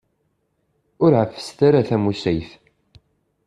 Ur ɛeffset ara tamusayt.